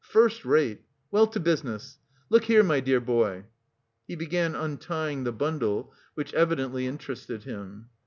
First rate! Well, to business. Look here, my dear boy." He began untying the bundle, which evidently interested him.